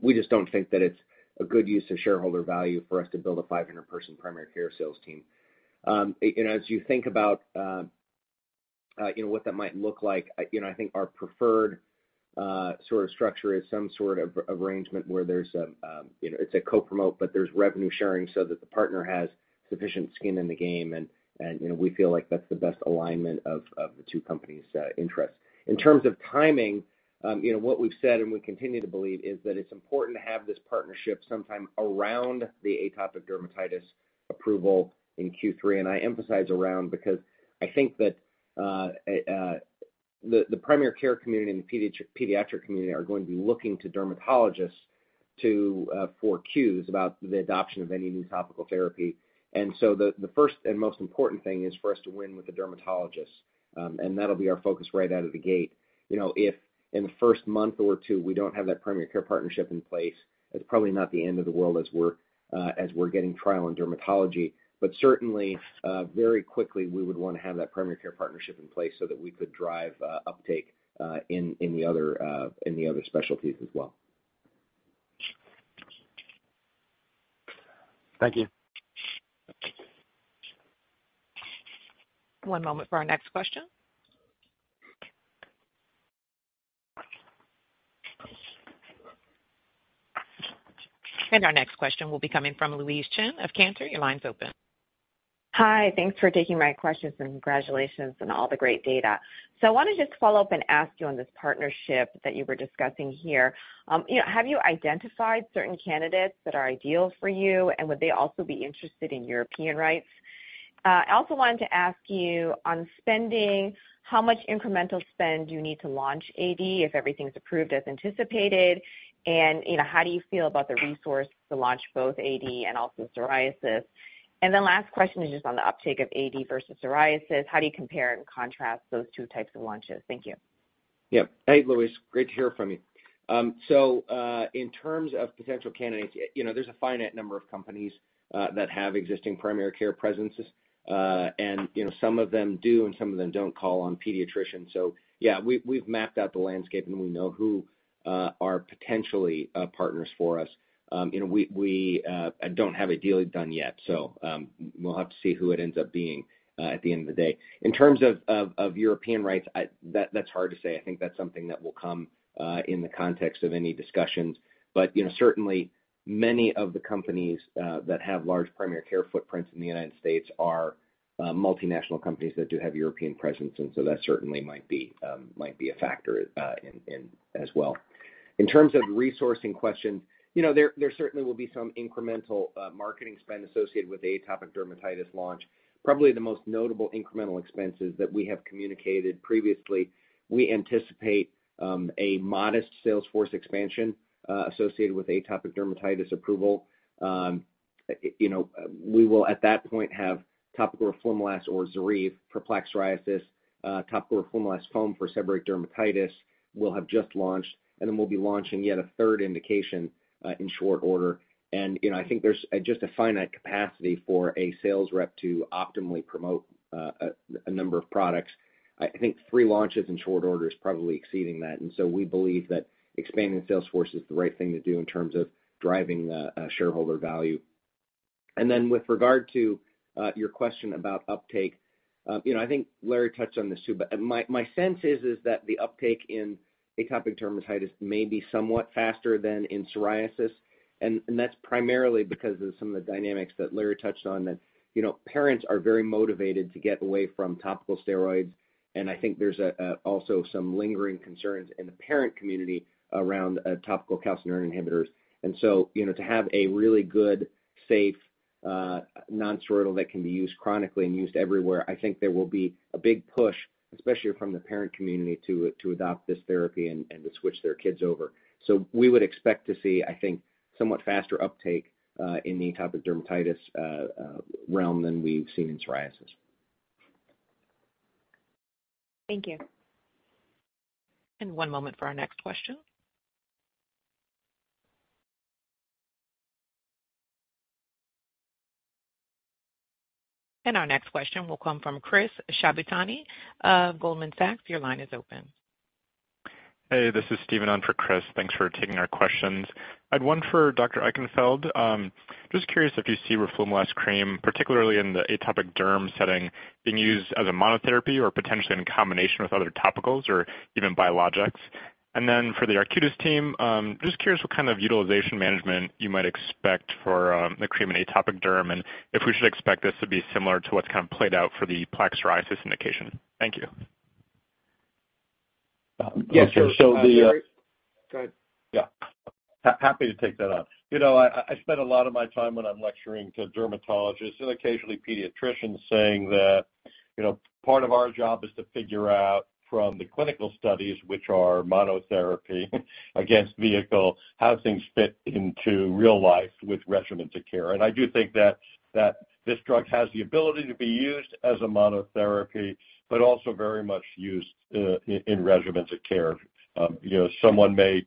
We just don't think that it's a good use of shareholder value for us to build a 500-person primary care sales team. As you think about, you know, what that might look like, I, you know, I think our preferred, sort of structure is some sort of BD arrangementt where there's a, you know, it's a co-promote, but there's revenue sharing so that the partner has sufficient skin in the game, and, and, you know, we feel like that's the best alignment of, of the two companies', interests. In terms of timing, you know, what we've said, and we continue to believe, is that it's important to have this partnership sometime around the atopic dermatitis approval in Q3. And I emphasize around, because I think that, a, the, the primary care community and the pediatric community are going to be looking to dermatologists to, for cues about the adoption of any new topical therapy. The first and most important thing is for us to win with the dermatologists, and that'll be our focus right out of the gate. You know, if in the first month or two, we don't have that primary care partnership in place, it's probably not the end of the world as we're getting trial in dermatology. Certainly, very quickly, we would want to have that primary care partnership in place so that we could drive uptake in the other specialties as well. Thank you. One moment for our next question. Our next question will be coming from Louise Chen of Cantor. Your line's open. Hi. Thanks for taking my questions, and congratulations on all the great data. I wanna just follow up and ask you on this partnership that you were discussing here. You know, have you identified certain candidates that are ideal for you, and would they also be interested in European rights? I also wanted to ask you on spending, how much incremental spend do you need to launch AD, if everything's approved as anticipated, and, you know, how do you feel about the resource to launch both AD and also psoriasis? Last question is just on the uptake of AD versus psoriasis. How do you compare and contrast those two types of launches? Thank you. Yeah. Hey, Louise, great to hear from you. In terms of potential candidates, you know, there's a finite number of companies that have existing primary care presences, and, you know, some of them do and some of them don't call on pediatricians. Yeah, we've mapped out the landscape, and we know who are potentially partners for us. You know, we don't have a deal done yet, so we'll have to see who it ends up being at the end of the day. In terms of European rights, that's hard to say. I think that's something that will come in the context of any discussions. But, you know, certainly many of the companies that have large primary care footprints in the United States are multinational companies that do have European presence, and so that certainly might be a factor in as well. In terms of the resourcing question, you know, there certainly will be some incremental marketing spend associated with the atopic dermatitis launch. Probably the most notable incremental expenses that we have communicated previously, we anticipate a modest sales force expansion associated with atopic dermatitis approval. You know, we will, at that point, have topical roflumilast or ZORYVE for plaque psoriasis, topical roflumilast foam for seborrheic dermatitis, we'll have just launched, and then we'll be launching yet a third indication in short order. You know, I think there's just a finite capacity for a sales rep to optimally promote a number of products. I think three launches in short order is probably exceeding that. So we believe that expanding the sales force is the right thing to do in terms of driving the shareholder value. Then with regard to your question about uptake, you know, I think Larry touched on this, too, but my sense is that the uptake in atopic dermatitis may be somewhat faster than in psoriasis. And that's primarily because of some of the dynamics that Larry touched on, that you know, parents are very motivated to get away from topical steroids, and I think there's also some lingering concerns in the parent community around topical calcineurin inhibitors. And so, you know, to have a really good, safe, non-steroidal that can be used chronically and used everywhere, I think there will be a big push, especially from the parent community, to adopt this therapy and to switch their kids over. So we would expect to see, I think, somewhat faster uptake in the atopic dermatitis realm than we've seen in psoriasis. Thank you. One moment for our next question. Our next question will come from Chris Shibutani of Goldman Sachs. Your line is open. Hey, this is Stephen on for Chris. Thanks for taking our questions. I had one for Dr. Eichenfield. Just curious if you see roflumilast cream, particularly in the atopic derm setting, being used as a monotherapy or potentially in combination with other topicals or even biologics. And then for the Arcutis team, just curious what kind of utilization management you might expect for the cream in atopic derm, and if we should expect this to be similar to what's kind of played out for the plaque psoriasis indication. Thank you. Yeah, so, Yeah, so the- Go ahead. Yeah. Happy to take that on. You know, I spent a lot of my time when I'm lecturing to dermatologists and occasionally pediatricians, saying that, you know, part of our job is to figure out from the clinical studies, which are monotherapy against vehicle, how things fit into real life with regimens of care. And I do think that this drug has the ability to be used as a monotherapy, but also very much used in regimens of care. You know, someone may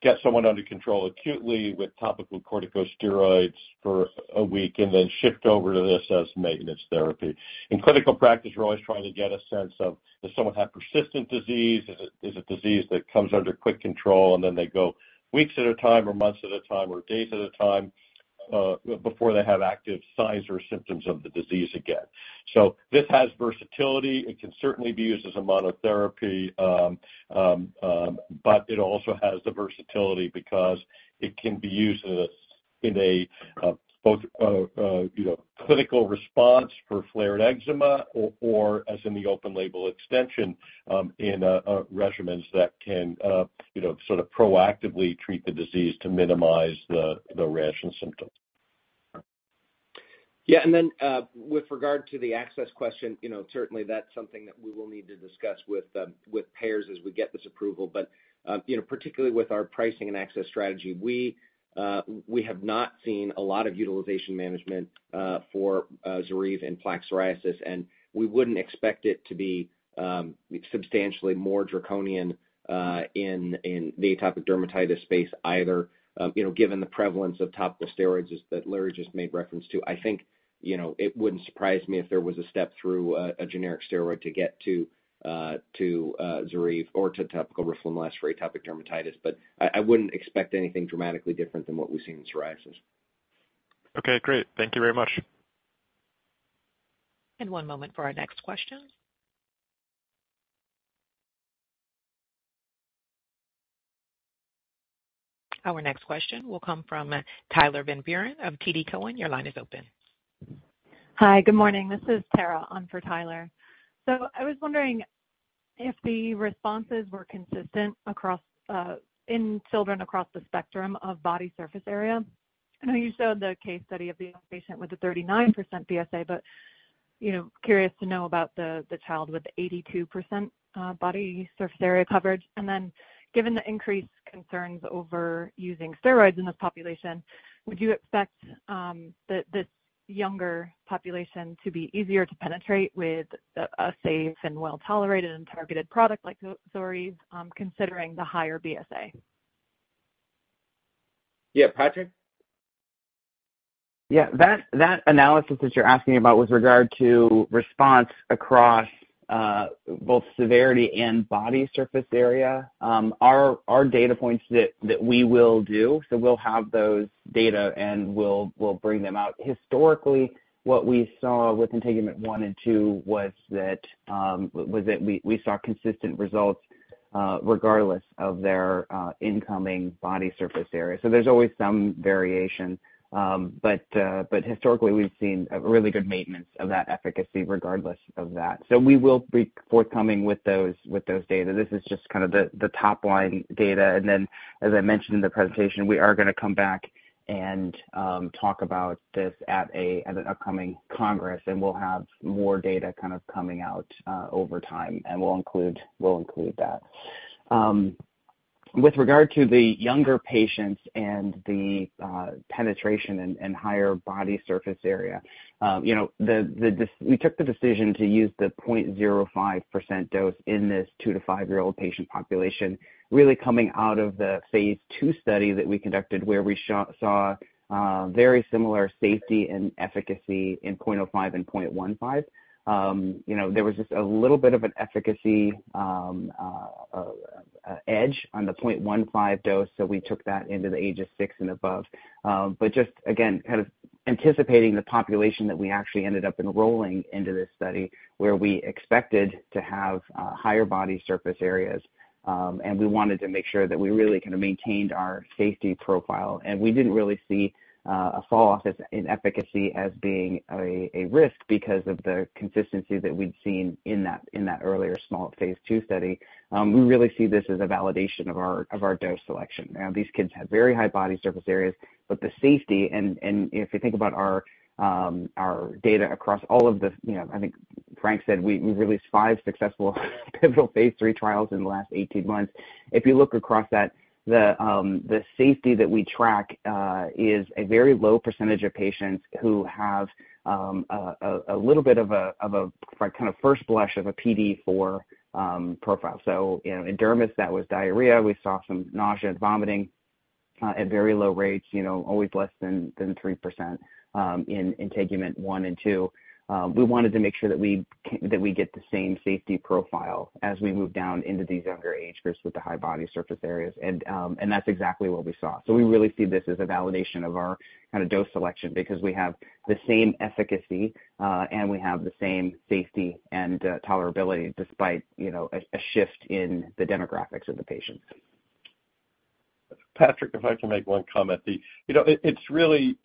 get someone under control acutely with topical corticosteroids for a week and then shift over to this as maintenance therapy. In clinical practice, we're always trying to get a sense of, does someone have persistent disease? It is a disease that comes under quick control, and then they go weeks at a time or months at a time or days at a time before they have active signs or symptoms of the disease again. So this has versatility. It can certainly be used as a monotherapy, but it also has the versatility because it can be used as in a you know clinical response for flared eczema or as in the open label extension in regimens that can you know sort of proactively treat the disease to minimize the rash and symptoms. Yeah, and then, with regard to the access question, you know, certainly that's something that we will need to discuss with, with payers as we get this approval. But, you know, particularly with our pricing and access strategy, we, we have not seen a lot of utilization management, for, ZORYVE in plaque psoriasis, and we wouldn't expect it to be, substantially more draconian, in, in the atopic dermatitis space either. You know, given the prevalence of topical steroids as- that Larry just made reference to, I think, you know, it wouldn't surprise me if there was a step through, a generic steroid to get to, to, ZORYVE or to topical roflumilast for atopic dermatitis, but I, I wouldn't expect anything dramatically different than what we've seen in psoriasis. Okay, great. Thank you very much. One moment for our next question. Our next question will come from Tyler Van Buren of TD Cowen. Your line is open. Hi, good morning. This is Tara on for Tyler. I was wondering if the responses were consistent across in children across the spectrum of body surface area. I know you showed the case study of the patient with the 39% BSA, but you know, curious to know about the child with 82% body surface area coverage. Given the increased concerns over using steroids in this population, would you expect this younger population to be easier to penetrate with a safe and well-tolerated and targeted product like ZORYVE, considering the higher BSA? Yeah, Patrick? Yeah, that analysis that you're asking about with regard to response across both severity and body surface area are data points that we will do. So we'll have those data, and we'll bring them out. Historically, what we saw with INTEGUMENT-1 and INTEGUMENT-2 was that we saw consistent results regardless of their incoming body surface area. So there's always some variation, but historically, we've seen a really good maintenance of that efficacy regardless of that. So we will be forthcoming with those data. This is just kind of the top line data. As I mentioned in the presentation, we are gonna come back and talk about this at an upcoming congress, and we'll have more data kind of coming out over time, and we'll include that. With regard to the younger patients and the penetration and higher body surface area, you know, we took the decision to use the 0.05% dose in this 2- to 5-year-old patient population, really coming out of the phase II study that we conducted, where we saw very similar safety and efficacy in 0.05% and 0.15%. You know, there was just a little bit of an efficacy edge on the 0.15% dose, so we took that into the age of 6 and above. But just again, kind of anticipating the population that we actually ended up enrolling into this study, where we expected to have higher body surface areas, and we wanted to make sure that we really kind of maintained our safety profile. And we didn't really see a fall-off as in efficacy as being a risk because of the consistency that we'd seen in that earlier small phase II study. We really see this as a validation of our dose selection. Now, these kids have very high body surface areas, but the safety and if you think about our data across all of the... You know, I think Frank said we released 5 successful pivotal phase III trials in the last 18 months. If you look across that, the safety that we track is a very low percentage of patients who have a little bit of a like kind of first blush of a PDE4 profile. So, you know, in DERMIS, that was diarrhea. We saw some nausea and vomiting at very low rates, you know, always less than 3% in INTEGUMENT-1 and 2. We wanted to make sure that we get the same safety profile as we move down into these younger age groups with the high body surface areas, and that's exactly what we saw. So we really see this as a validation of our kind of dose selection, because we have the same efficacy and we have the same safety and tolerability despite, you know, a shift in the demographics of the patients. Patrick, if I can make one comment. You know, it's really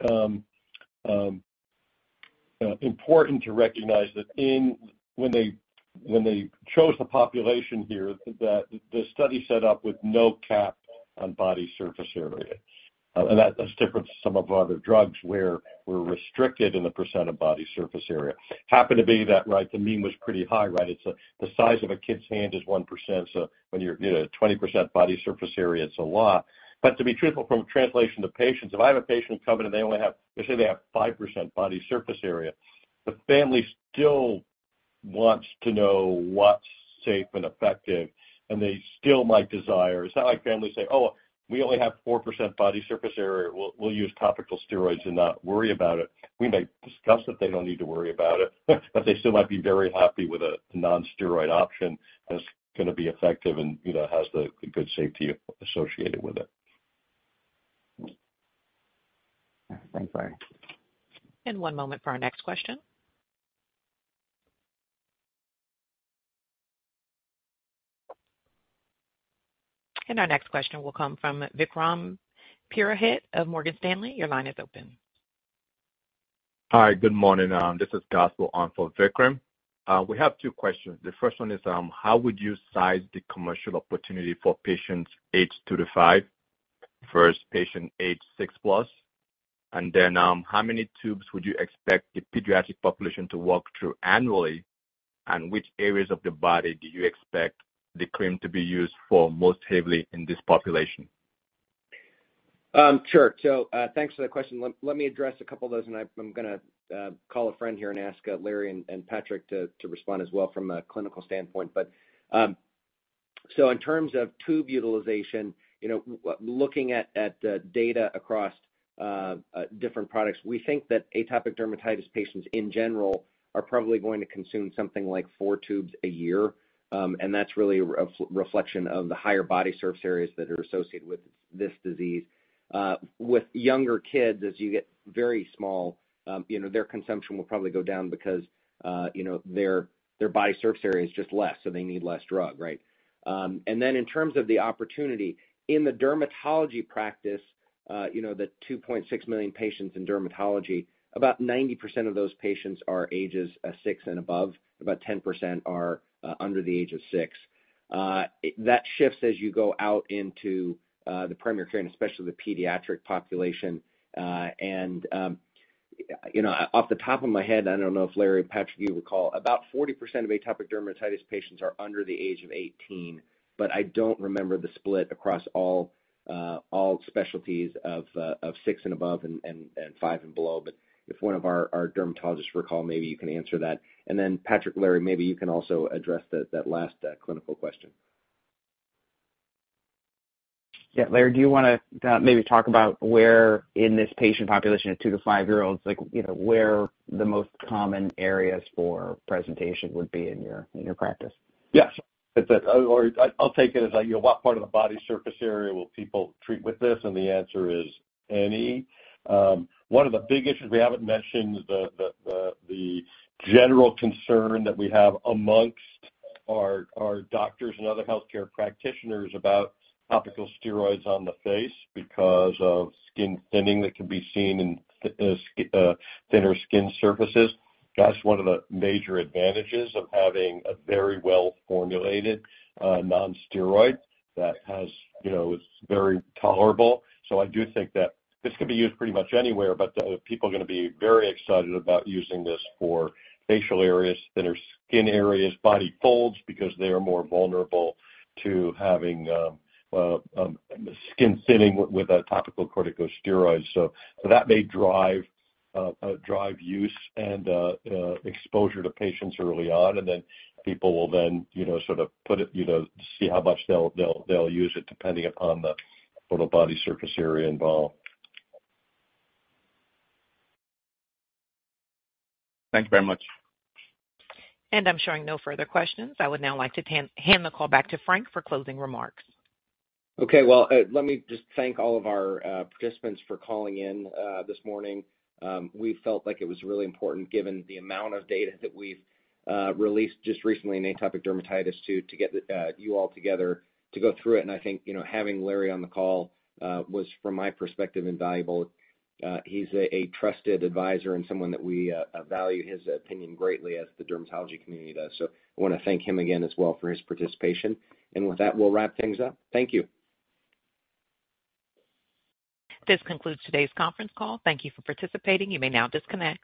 important to recognize that when they chose the population here, that the study set up with no cap on body surface area. And that's different to some of our other drugs, where we're restricted in the percent of body surface area. Happened to be that, right, the mean was pretty high, right? It's the size of a kid's hand is 1%, so when you're, you know, 20% body surface area, it's a lot. But to be truthful, from translation to patients, if I have a patient come in and they only have, let's say they have 5% body surface area, the family still wants to know what's safe and effective, and they still might desire... It's not like families say, "Oh, we only have 4% body surface area. We'll use topical steroids and not worry about it." We may discuss that they don't need to worry about it, but they still might be very happy with a non-steroid option that's gonna be effective and, you know, has the good safety associated with it. Thanks, Larry. One moment for our next question. Our next question will come from Vikram Purohit of Morgan Stanley. Your line is open. Hi, good morning. This is Gospel on for Vikram. We have two questions. The first one is, how would you size the commercial opportunity for patients age two to five versus patient age six plus? And then, how many tubes would you expect the pediatric population to walk through annually, and which areas of the body do you expect the cream to be used for most heavily in this population? Sure. So, thanks for the question. Let me address a couple of those, and I'm gonna call a friend here and ask Larry and Patrick to respond as well from a clinical standpoint. But, so in terms of tube utilization, you know, looking at the data across different products, we think that atopic dermatitis patients in general are probably going to consume something like four tubes a year. And that's really a reflection of the higher body surface areas that are associated with this disease. With younger kids, as you get very small, you know, their consumption will probably go down because you know, their body surface area is just less, so they need less drug, right? And then in terms of the opportunity, in the dermatology practice, you know, the 2.6 million patients in dermatology, about 90% of those patients are ages 6 and above. About 10% are under the age of 6. That shifts as you go out into the primary care and especially the pediatric population. And you know, off the top of my head, I don't know if Larry or Patrick you recall, about 40% of atopic dermatitis patients are under the age of 18, but I don't remember the split across all specialties of 6 and above and 5 and below. But if one of our dermatologists recall, maybe you can answer that. And then Patrick, Larry, maybe you can also address that last clinical question. Yeah, Larry, do you wanna maybe talk about where in this patient population of 2-5-year-olds, like, you know, where the most common areas for presentation would be in your, in your practice? Yes. It's or I, I'll take it as, like, you know, what part of the body surface area will people treat with this? And the answer is any. One of the big issues we haven't mentioned, the general concern that we have amongst our doctors and other healthcare practitioners about topical steroids on the face because of skin thinning that can be seen in thinner skin surfaces. That's one of the major advantages of having a very well-formulated non-steroid that has, you know, is very tolerable. So I do think that this could be used pretty much anywhere, but people are gonna be very excited about using this for facial areas, thinner skin areas, body folds, because they are more vulnerable to having skin thinning with topical corticosteroids. That may drive, drive use and, you know, sort of put it, you know, see how much they'll use it, depending upon the total body surface area involved. Thank you very much. I'm showing no further questions. I would now like to hand the call back to Frank for closing remarks. Okay. Well, let me just thank all of our participants for calling in this morning. We felt like it was really important, given the amount of data that we've released just recently in atopic dermatitis to get you all together to go through it. And I think, you know, having Larry on the call was, from my perspective, invaluable. He's a trusted advisor and someone that we value his opinion greatly as the dermatology community does. So I wanna thank him again as well for his participation. And with that, we'll wrap things up. Thank you. This concludes today's conference call. Thank you for participating. You may now disconnect.